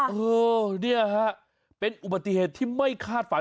เออเนี่ยฮะเป็นอุบัติเหตุที่ไม่คาดฝัน